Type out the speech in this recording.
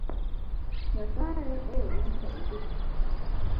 Nyasaye oori mondo idhi